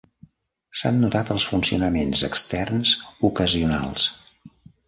S'han notat els funcionaments externs ocasionals.